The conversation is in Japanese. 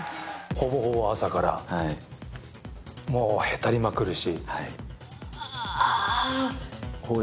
ほぼほぼ朝から、もうへたりまくるし。